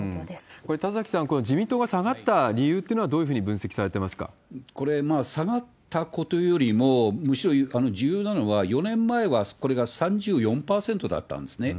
これ、田崎さん、自民党が下がった理由っていうのは、どういこれ、下がったことよりも、むしろ重要なのは、４年前はこれが３４％だったんですね。